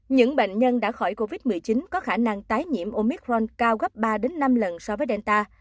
những bệnh nhân đã khỏi covid một mươi chín có khả năng tái nhiễm omicron cao gấp ba năm lần so với delta